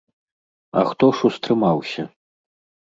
А хто ж устрымаўся?